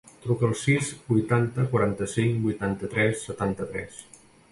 Truca al sis, vuitanta, quaranta-cinc, vuitanta-tres, setanta-tres.